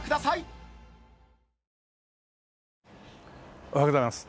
おはようございます。